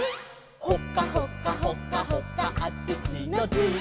「ほかほかほかほかあちちのチー」